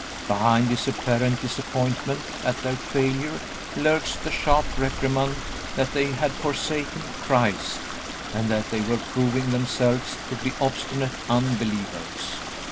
Behind his apparent disappointment at their failure lurks the sharp reprimand that they had forsaken Christ and that they were proving themselves to be obstinate unbelievers.